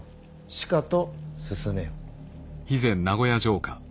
しかと進めよ。